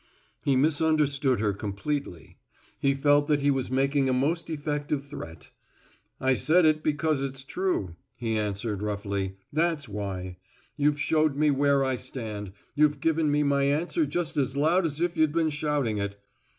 He misunderstood her completely. He felt that he was making a most effective threat. "I said it because it's true," he answered roughly, "that's why. You've showed me where I stand you've given me my answer just as loud as if you'd been shouting it.